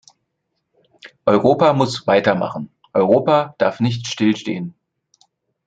Europa muss weitermachen, Europa darf nicht still stehen.